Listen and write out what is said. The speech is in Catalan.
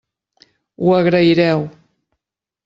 Ho agraireu.